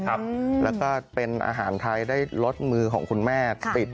ข้างบัวแห่งสันยินดีต้อนรับทุกท่านนะครับ